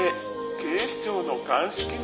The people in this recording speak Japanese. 警視庁の鑑識のエース！」